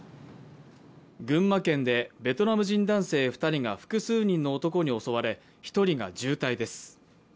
群馬県でベトナム人男性２人が複数人の男に襲われ１人が重体です